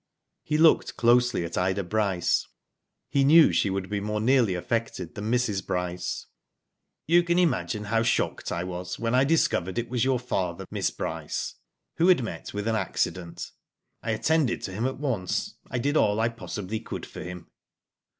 He looked closely at Ida Bryce. He knew she would be more nearly affected than Mrs. Bryce. You can imagine how shocked I was when I discovered it was your father, Miss Bryce, who had met with an accident. I attended to him at once. I did all I possibly could for him."